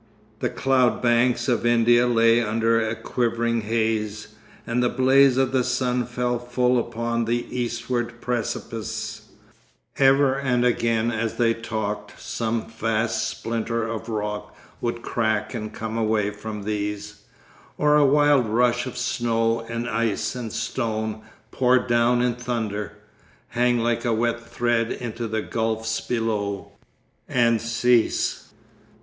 The cloudbanks of India lay under a quivering haze, and the blaze of the sun fell full upon the eastward precipices. Ever and again as they talked, some vast splinter of rock would crack and come away from these, or a wild rush of snow and ice and stone, pour down in thunder, hang like a wet thread into the gulfs below, and cease....